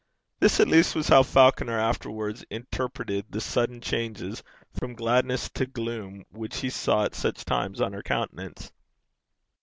This at least was how Falconer afterwards interpreted the sudden changes from gladness to gloom which he saw at such times on her countenance.